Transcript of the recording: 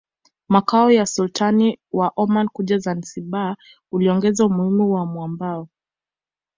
makao ya Sultani wa Oman kuja Zanzibar kuliongeza umuhimu wa mwambao